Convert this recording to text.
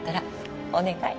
お願い